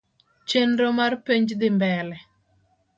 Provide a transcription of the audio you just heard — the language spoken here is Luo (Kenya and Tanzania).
Chenro mar penj dhi mbele.